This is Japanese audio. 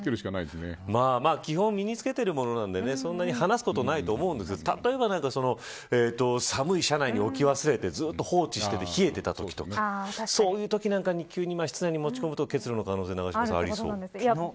基本、身に着けてるものなんでそんなに離すことないと思うんですけれど寒い車内に置き忘れて、ずっと放置して冷えていたときとかそういうとき急に室内に持ち込むと結露の可能性がありそう。